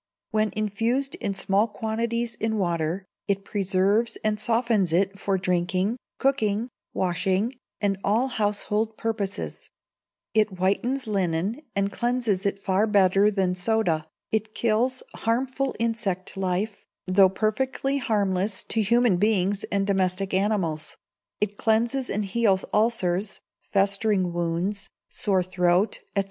When infused in small quantities in water, it preserves and softens it for drinking, cooking, washing, and all household purposes; it whitens linen and cleanses it far better than soda, it kills harmful insect life, though perfectly harmless to human beings and domestic animals; it cleanses and heals ulcers, festering wounds, sore throat, &c.